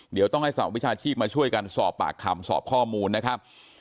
เดี๋ยวต้องให้สาววิชาชีพมาช่วยกันสอบปากคำสอบข้อมูลนะครับ